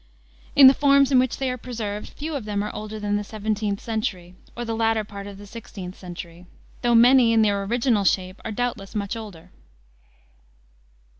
In the forms in which they are preserved few of them are older than the 17th century, or the latter part of the 16th century, though many, in their original shape, are, doubtless, much older.